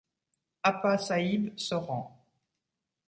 Appa Sahib se rend.